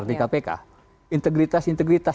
di kpk integritas integritas